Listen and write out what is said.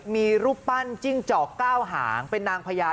มีรูปปั้นจิ้งจอก๙หางเป็นนางพญา